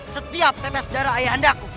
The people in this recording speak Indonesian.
setiap tetes darah ayah andaku